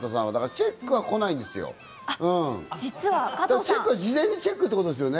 チェックは、事前にチェックってことですよね。